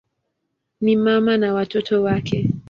Ni mama na watoto wake.